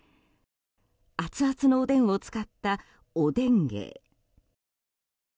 アツアツのおでんを使ったおでん芸。